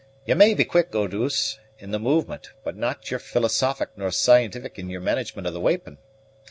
Ye may be quick, Eau douce, in the movement, but yer not philosophic nor scientific in yer management of the weepon.